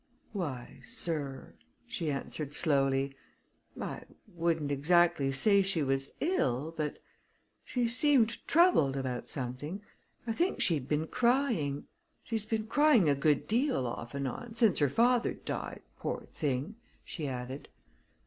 "Why, sir," she answered slowly, "I wouldn't exactly say she was ill, but she seemed troubled about something. I think she'd been crying. She's been crying a good deal, off and on, since her father died, poor thing," she added.